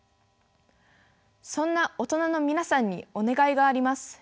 そんな大人の皆さんにお願いがあります。